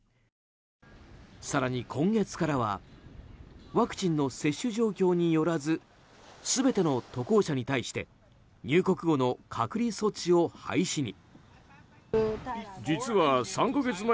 更に今月からはワクチンの接種状況によらず全ての渡航者に対して入国後の隔離措置を廃止に。